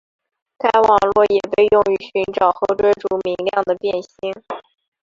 该网络也被用于寻找和追逐明亮的变星。